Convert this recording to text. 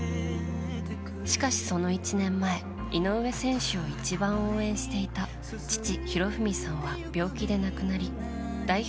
しかし、その１年前井上選手を一番応援していた父・寛文さんは病気で亡くなり代表